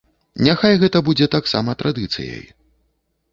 Няхай гэта будзе таксама традыцыяй.